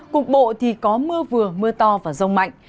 cục bộ thì có mưa vừa mưa to và rông mạnh